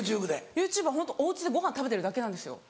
ＹｏｕＴｕｂｅはホントお家でごはん食べてるだけなんですよ。